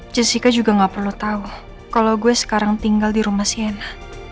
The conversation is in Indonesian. jessica juga gak perlu tahu kalau gue sekarang tinggal di rumah sienna